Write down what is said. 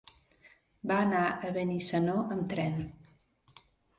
Va anar a Benissanó amb tren.